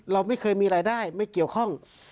เราไม่เคยมีรายได้ไม่เกี่ยวข้อง